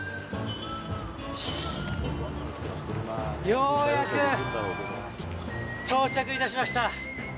ようやく到着いたしました。